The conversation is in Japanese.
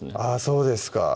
そうですか